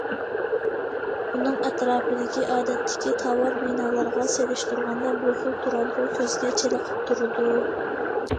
ئۇنىڭ ئەتراپىدىكى ئادەتتىكى تاۋار بىنالارغا سېلىشتۇرغاندا، بۇ خىل تۇرالغۇ كۆزگە چېلىقىپ تۇرىدۇ.